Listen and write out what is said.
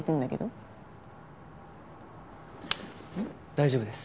大丈夫です。